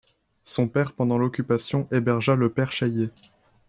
Son père pendant l'Occupation hébergea le Père Chaillet.